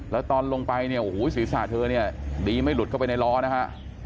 แล้วตอนลงไปเนี่ยโอ้โหศีรษะเธอเนี่ยดีไม่หลุดเข้าไปในล้อนะฮะ